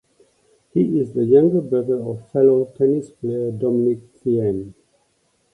He is the younger brother of fellow tennis player Dominic Thiem.